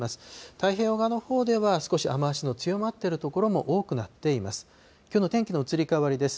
太平洋側のほうでは、少し雨足の強まっている所も多くなっています。